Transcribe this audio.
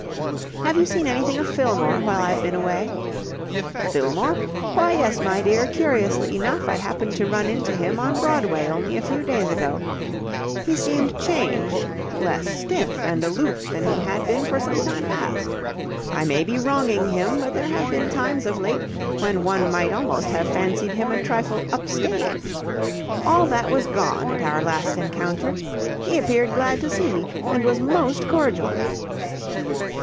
"Have you seen anything of Fillmore while I've been away?" "Fillmore? Why yes, my dear, curiously enough I happened to run into him on Broadway only a few days ago. He seemed changed less stiff and aloof than he had been for some time past. I may be wronging him, but there have been times of late when one might almost have fancied him a trifle up stage. All that was gone at our last encounter. He appeared glad to see me and was most cordial."